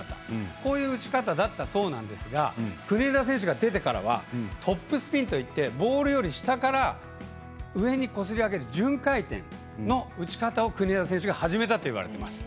こういう打ち方だったそうなんですが国枝選手が出てからはトップスピンといってボールより下から上にこすり上げる順回転の打ち方を国枝選手が始めたといわれています。